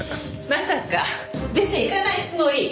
まさか出て行かないつもり？